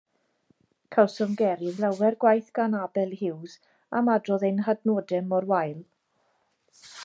Cawsom gerydd lawer gwaith gan Abel Hughes am adrodd ein hadnodau mor wael.